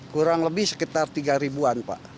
kurang lebih sekitar rp tiga an pak